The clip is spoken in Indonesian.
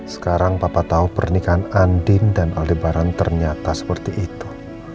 sekarang papa tahu pernikahan andin dan aldi baran ternyata seperti itu